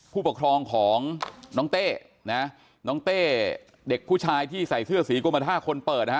ผู้ปกครองของน้องเต้นะน้องเต้เด็กผู้ชายที่ใส่เสื้อสีกรมท่าคนเปิดนะฮะ